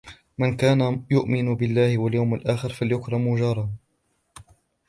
وَمَنْ كَانَ يُؤْمِنُ بِاللهِ وَالْيَوْمِ الآخِرِ فَلْيُكْرِمْ جَارَهُ،